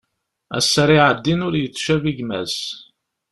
Ass ara iɛeddin ur yettcabi gma-s.